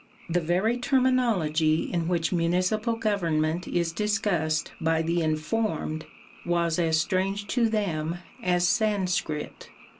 The very terminology in which municipal government is discussed by the informed was as strange to them as Sanskrit.